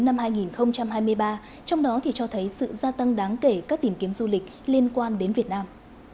năm hai nghìn hai mươi ba trong đó thì cho thấy sự gia tăng đáng kể các tìm kiếm du lịch liên quan đến việt nam